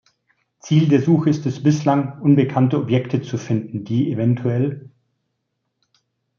Ziel der Suche ist es bislang unbekannte Objekte zu finden, die evtl.